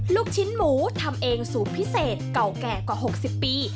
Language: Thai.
ลูกชิ้นหมูทำเองสูตรพิเศษเก่าแก่กว่า๖๐ปี